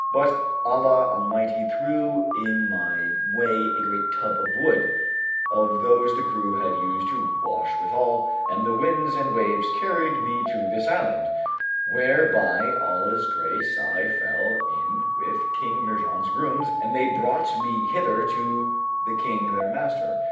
But Allah Almighty threw in my way a great tub of wood, of those the crew had used to wash withal, and the winds and waves carried me to this island, where by Allah's grace I fell in with King Mihrján's grooms and they brought me hither to the King their master.